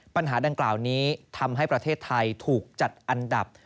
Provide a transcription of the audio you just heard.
ปัญหาดังกล่าวนี้ทำให้ประเทศไทยถูกจัดอันดับ